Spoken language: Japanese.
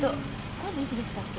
今度いつでしたっけ？